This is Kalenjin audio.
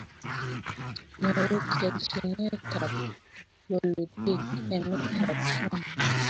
nyoru kelchinetab bolutik emetab Kongo